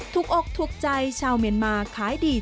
อกถูกใจชาวเมียนมาขายดี